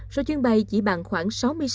số chuyến bay chỉ bằng khoảng sáu mươi sáu